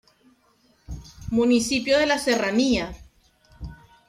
Municipio de la Serranía.